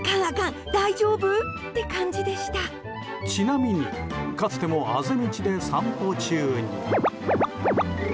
ちなみに、かつてもあぜ道で散歩中に。